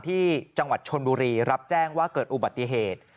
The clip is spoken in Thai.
ที่จังหวัดชนบุรีรับแจ้งว่าเกิดอุบัติเหตุ